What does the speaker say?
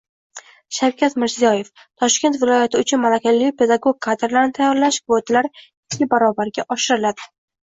Shavkat Mirziyoyev: Toshkent viloyati uchun malakali pedagog kadrlarni tayyorlash kvotalari ikki barobarga oshiriladi